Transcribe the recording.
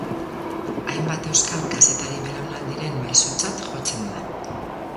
Hainbat euskal kazetari-belaunaldiren maisutzat jotzen da.